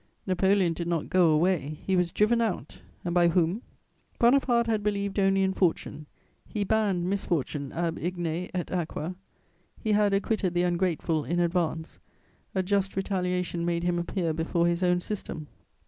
Napoleon did not go away; he was driven out: and by whom? Bonaparte had believed only in fortune; he banned misfortune ab igne et aquâ; he had acquitted the ungrateful in advance: a just retaliation made him appear before his own system.